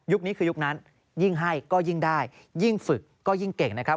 นี้คือยุคนั้นยิ่งให้ก็ยิ่งได้ยิ่งฝึกก็ยิ่งเก่งนะครับ